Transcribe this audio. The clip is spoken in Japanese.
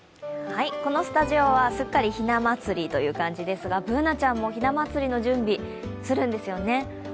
このスタジオはすっかりひな祭りという感じですがＢｏｏｎａちゃんもひな祭りの準備するんですよね？